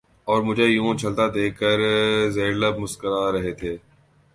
اور مجھے یوں اچھلتا دیکھ کر زیرلب مسکرا رہے تھے